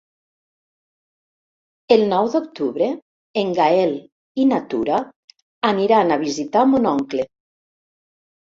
El nou d'octubre en Gaël i na Tura aniran a visitar mon oncle.